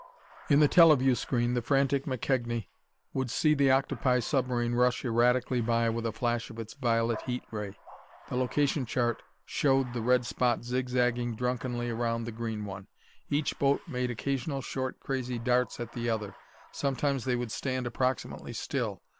In the teleview screen the frantic McKegnie would see the octopi submarine rush erratically by with a flash of its violet heat ray; the location chart showed the red spot zigzagging drunkenly around the green one. Each boat made occasional short, crazy darts at the other; sometimes they would stand approximately still.